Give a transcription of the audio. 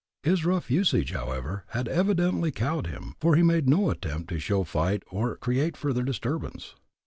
His rough usage, however, had evidently cowed him, for he made no attempt to show fight or create further disturbance.